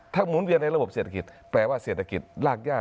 หมุนเวียนในระบบเศรษฐกิจแปลว่าเศรษฐกิจรากย่า